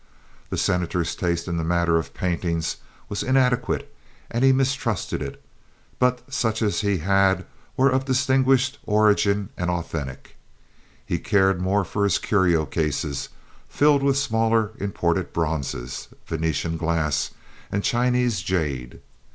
The Senator's taste in the matter of paintings was inadequate, and he mistrusted it; but such as he had were of distinguished origin and authentic. He cared more for his curio cases filled with smaller imported bronzes, Venetian glass, and Chinese jade.